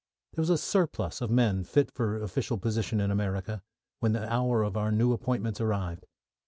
There was a surplus of men fit for official position in America when the hour of our new appointments arrived.